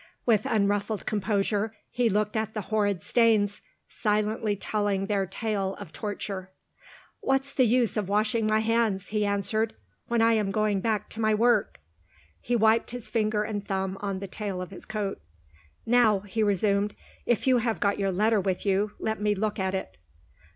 With unruffled composure he looked at the horrid stains, silently telling their tale of torture. "What's the use of washing my hands," he answered, "when I am going back to my work?" He wiped his finger and thumb on the tail of his coat. "Now," he resumed, "if you have got your letter with you, let me look at it."